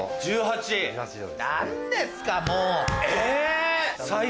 何ですかもう。